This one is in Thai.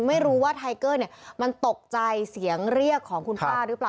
ไม่รู้ว่าไทเกอร์มันตกใจเสียงเรียกของคุณป้าหรือเปล่า